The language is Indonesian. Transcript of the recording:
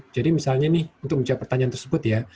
jadi misalnya nih untuk menjawab pertanyaan tersebut ya